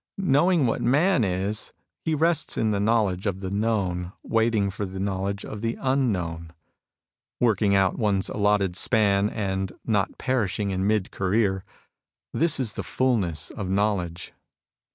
Knowing what Man is, he rests in the knowledge of the known, waiting for the knowledge of the unknown. Working out one's allotted span, and not perishing in mid career, — ^this is the fulness of knowledge.